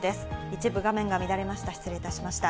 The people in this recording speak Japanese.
一部画面が乱れました。